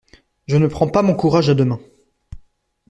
Je ne prends pas mon courage à deux mains.